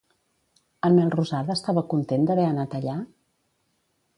En Melrosada estava content d'haver anat allà?